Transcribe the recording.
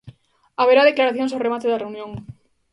Haberá declaracións ao remate da reunión.